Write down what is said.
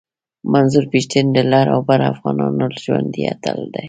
منظور پشتین د لر او بر افغانانو ژوندی اتل دی